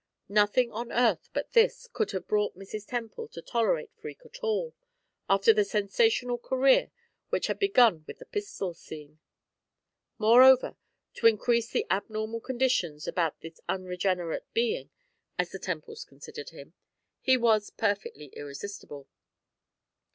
Nothing on earth but this could have brought Mrs. Temple to tolerate Freke at all, after the sensational career which had begun with the pistol scene. Moreover, to increase the abnormal conditions about this unregenerate being, as the Temples considered him, he was perfectly irresistible.